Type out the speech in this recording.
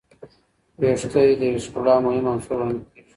ویښتې د ښکلا مهم عنصر ګڼل کېږي.